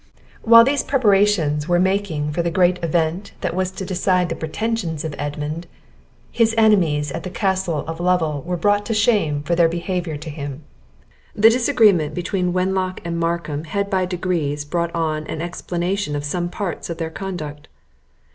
While these preparations were making for the great event that was to decide the pretensions of Edmund, his enemies at the Castle of Lovel were brought to shame for their behaviour to him. The disagreement between Wenlock and Markham had by degrees brought on an explanation of some parts of their conduct.